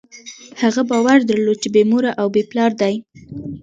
هغه باور درلود، چې بېمور او بېپلاره دی.